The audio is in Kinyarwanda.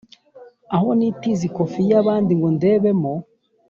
aho nitiza ikofi y’abandi ngo ndebemo